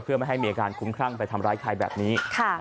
เพื่อไม่ให้มีอาการคุ้มครั่งไปทำร้ายใครแบบนี้